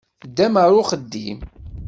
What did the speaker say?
Teddam ɣer uxeddim.